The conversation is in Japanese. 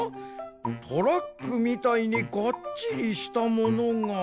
トラックみたいにガッチリしたものが。